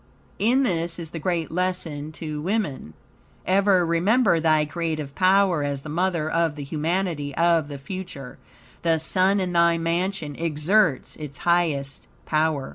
In this is the great lesson to woman: Ever remember thy creative power as the mother of the humanity of the future. The sun in thy mansion exerts its highest power.